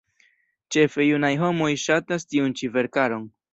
Ĉefe junaj homoj ŝatas tiun ĉi verkaron.